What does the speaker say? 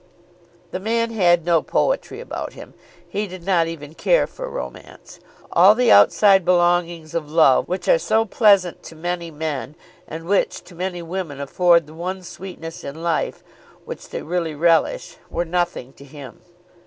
The man had no poetry about him. He did not even care for romance. All the outside belongings of love which are so pleasant to many men and which to many women afford the one sweetness in life which they really relish, were nothing to him.